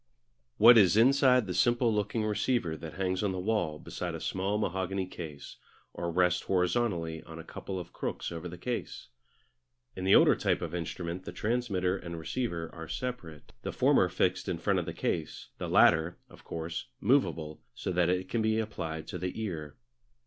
What is inside the simple looking receiver that hangs on the wall beside a small mahogany case, or rests horizontally on a couple of crooks over the case? In the older type of instrument the transmitter and receiver are separate, the former fixed in front of the case, the latter, of course, movable so that it can be applied to the ear.